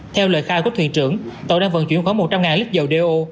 theo lời khai của thuyền trưởng tàu đang vận chuyển khoảng một trăm linh lít dầu đeo